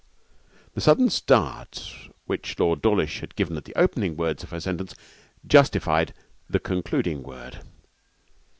The sudden start which Lord Dawlish had given at the opening words of her sentence justified the concluding word.